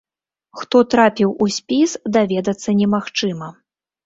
Хто трапіў у спіс, даведацца немагчыма.